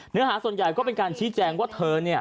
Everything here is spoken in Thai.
เนื้อหาส่วนใหญ่ก็เป็นการชี้แจงว่าเธอ